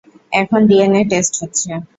এখন DNA test হচ্ছে।